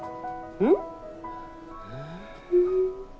うん。